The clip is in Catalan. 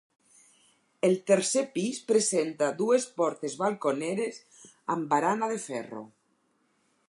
El tercer pis presenta dues portes balconeres amb barana de ferro.